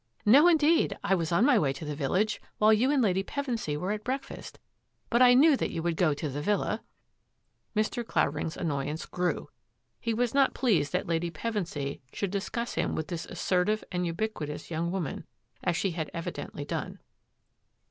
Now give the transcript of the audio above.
" No, indeed. I was on my way to the village while you and Lady Pevensy were at breakfast, but I knew that you would go to the villa." Mr. Clavering's annoyance grew. He was not pleased that Lady Pevensy should discuss him with this assertive and ubiquitous young woman, as she had evidently done.